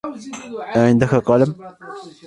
أعندك قلم؟